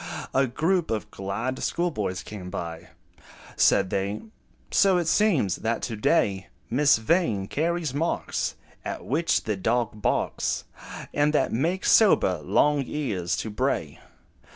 A group of glad schoolboys came by: Said they, "So it seems, that to day, Miss Vain carries marks At which the dog barks, And that make sober Long Ears to bray."